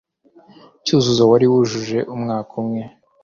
Cyuzuzo wari wujuje umwaka umwe